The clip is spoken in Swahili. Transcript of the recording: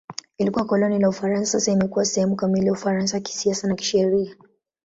Ilikuwa koloni la Ufaransa; sasa imekuwa sehemu kamili ya Ufaransa kisiasa na kisheria.